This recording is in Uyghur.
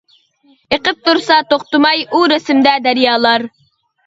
ئېقىپ تۇرسا توختىماي، ئۇ رەسىمدە دەريالار.